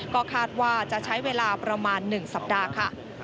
ก็คาดว่าจะใช้เวลาประมาณ๑สัปดาห์ค่ะ